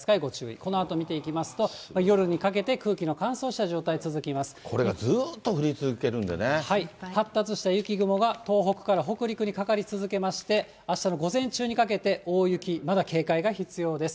このあと見ていきますと、夜にかけて、空気の乾燥した状態続きまこれがずっと降り続いてるん発達した雪雲が、東北から北陸にかかり続けまして、あしたの午前中にかけて大雪、まだ警戒が必要です。